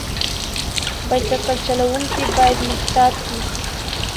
بایسکل چلونکي باید محتاط وي.